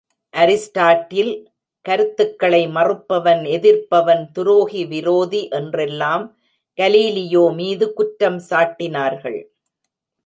Aristotle கருத்துக்களை மறுப்பவன், எதிர்ப்பவன், துரோகி விரோதி என்றெல்லாம் கலீலியோ மீது குற்றம் சாட்டினார்கள்.